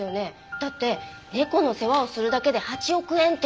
だって猫の世話をするだけで８億円って。